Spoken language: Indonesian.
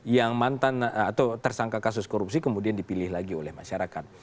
yang mantan atau tersangka kasus korupsi kemudian dipilih lagi oleh masyarakat